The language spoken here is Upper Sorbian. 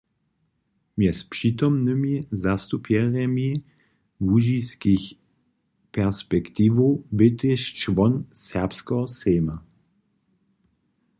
Mjez přitomnymi zastupjerjemi Łužiskich perspektiwow bě tež čłon Serbskeho sejma.